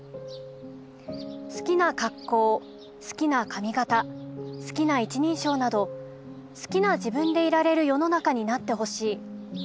「好きな格好好きな髪型好きな一人称など好きな自分でいられる世の中になって欲しい。